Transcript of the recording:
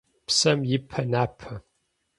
Псэм ипэ напэ.